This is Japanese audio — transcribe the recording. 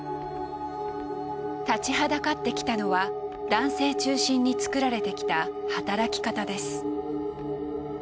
立ちはだかってきたのは男性中心につくられてきた働き方です。